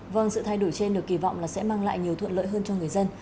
vâng sự thay đổi trên được kỳ vọng là sẽ mang lại nhiều thuận lợi hơn cho người dân